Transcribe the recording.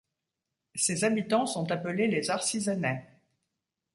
Ses habitants sont appelés les Arcizanais.